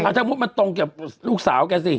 ถ้ามุติมันตรงกับลูกสาวแกสิ